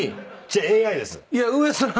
ＡＩです。